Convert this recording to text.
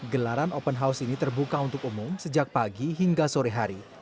gelaran open house ini terbuka untuk umum sejak pagi hingga sore hari